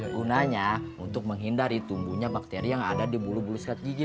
gunanya untuk menghindari tumbuhnya bakteri yang ada di bulu bulu sekat gigi